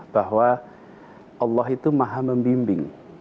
bahwa allah itu maha membimbing